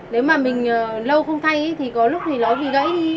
nếu mà mình lâu không thay thì có lúc thì nó bị gãy đi